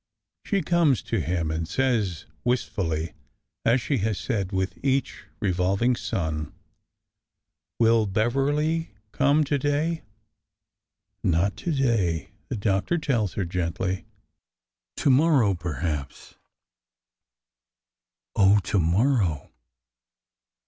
She comes to him and says wistfully, as she has said with each revolving sun : "Will Beverly come to day?" " Not to day," the doctor tells her gently,—" to mor row, perhaps." BEGINNINGS AND ENDINGS 409 Oh ! to morrow.